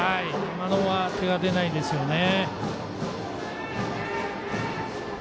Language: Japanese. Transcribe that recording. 今のは手が出ないですよね。